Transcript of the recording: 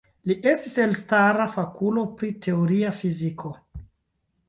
Li estis elstara fakulo pri teoria fiziko.